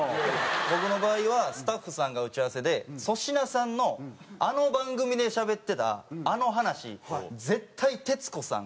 僕の場合はスタッフさんが打ち合わせで「粗品さんのあの番組でしゃべってたあの話絶対徹子さん